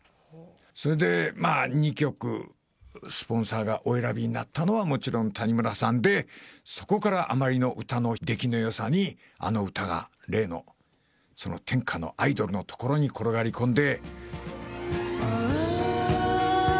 それでまあ、２曲、スポンサーがお選びになったのは、もちろん谷村さんで、そこからあまりの出来のよさに、あの歌が、例の天下のアイドルの所に転がり込んで。